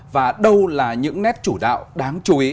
và đâu là những nét chủ đạo đáng chú ý